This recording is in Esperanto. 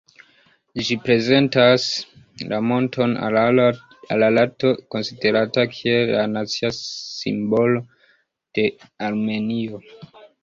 Ĝi reprezentas la monton Ararato, konsiderata kiel la nacia simbolo de Armenio.